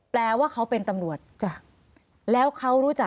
แปลว่าเขาเป็นตำรวจ